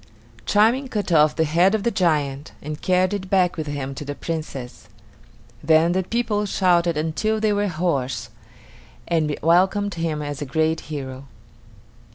Charming cut off the head of the giant, and carried it back with him to the Princess. Then the people shouted until they were hoarse, and welcomed him as a great hero.